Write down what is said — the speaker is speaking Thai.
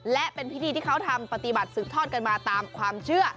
และเป็นพิธีที่เขาทำปฏิบัติสืบทอดกันมาตามความเชื่อ